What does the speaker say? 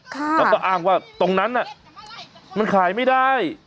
ค่ะแล้วต้องอ้างว่าตรงนั้นน่ะมันขายไม่ได้